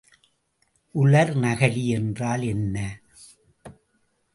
உலர்நகலி என்றால் என்ன?